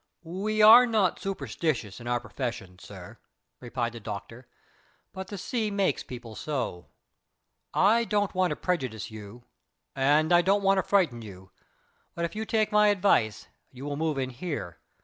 "We are not superstitious in our profession, sir," replied the doctor, "but the sea makes people so. I don't want to prejudice you, and I don't want to frighten you, but if you will take my advice you will move in here.